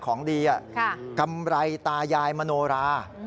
ของดีกำไรตายายมโนรา